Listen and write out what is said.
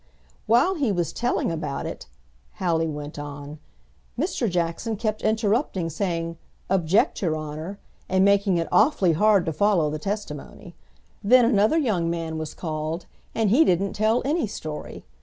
"While he was telling about it," Hallie went on, "Mr. Jackson kept interrupting, saying, 'Object, your Honor,' and making it awfully hard to follow the testimony. Then another young man was called, and he didn't tell any story.